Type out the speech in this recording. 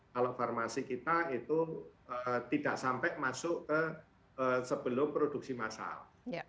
kalau farmasi kita itu tidak sampai masuk ke sebelum produksi massal